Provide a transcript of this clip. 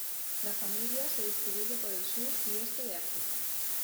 La familia se distribuye por el sur y este de África.